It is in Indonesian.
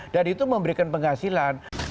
dan itu memberikan penghasilan